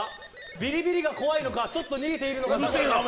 ビリビリが怖いのかちょっと逃げているのか。